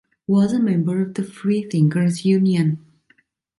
Was a member of the Freethinkers Union.